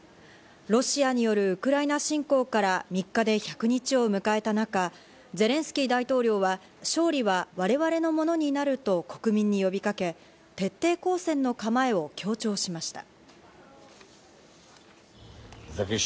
ロシアによるウクライナ侵攻から３日で１００日を迎えた中、ゼレンスキー大統領は、勝利は我々のものになると国民に呼びかけ、徹底抗戦の構えを強調しました。